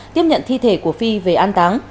tiếp nhận thi thể của phi về an táng